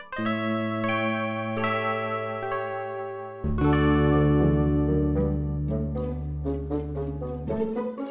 kau mau aroma segwriting arkang ducky gugengnya